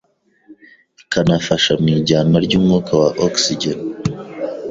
ikanafasha mu ijyanwa ry’umwuka wa oxygen